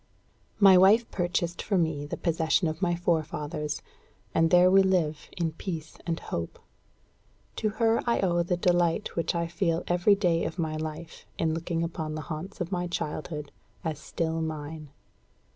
My wife purchased for me the possession of my forefathers, and there we live in peace and hope. To her I owe the delight which I feel every day of my life in looking upon the haunts of my childhood as still mine.